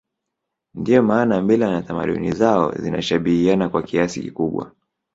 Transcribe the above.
Ndio maana mila na tamaduni zao zinashabihiana kwa kiasi kikubwa